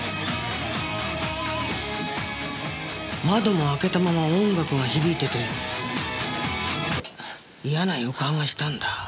窓も開けたまま音楽が響いてて嫌な予感がしたんだ。